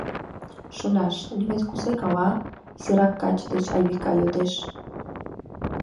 — Шоляш, лӱмет кузе гала? — изирак каче деч Айвика йодеш.